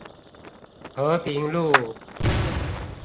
和平路